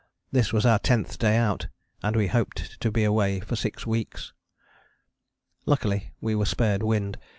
This was our tenth day out and we hoped to be away for six weeks. Luckily we were spared wind.